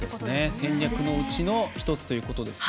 戦略のうちの１つということですね。